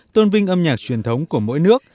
tôn vinh âm nhạc truyền thống của mỗi nước